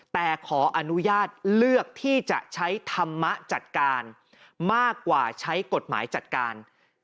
แต่ขออนุญาตเลือกที่จะใช้ธรรมะจัดการมากกว่าใช้กฎหมายจัดการ